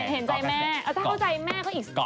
เห็นใจแม่กว่าสมากกว่า